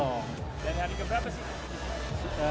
dari hari ke berapa sih